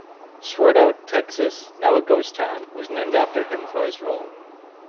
Swartout, Texas, now a ghosttown, was named after him for his role.